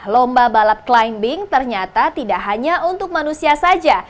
lomba balap climbing ternyata tidak hanya untuk manusia saja